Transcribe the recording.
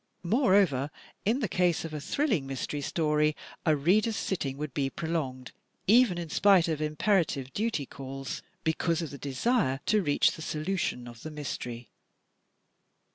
Moreover, in the case of a thrilling Mystery Story, a reader's sitting would be prolonged, even in spite of imperative duty calls, because of the desire to reach the solution of the mystery.